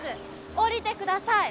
下りてください！